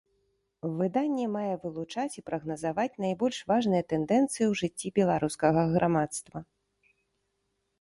Выданне мае вылучаць і прагназаваць найбольш важныя тэндэнцыі ў жыцці беларускага грамадства.